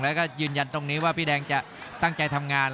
แล้วก็ยืนยันตรงนี้ว่าพี่แดงจะตั้งใจทำงาน